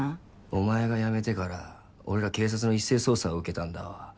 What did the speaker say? お前がやめてから俺ら警察の一斉捜査を受けたんだわ。